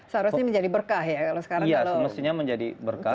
seharusnya menjadi berkah ya kalau sekarang kalau setiap musim muda